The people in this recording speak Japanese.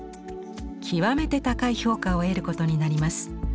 極めて高い評価を得ることになります。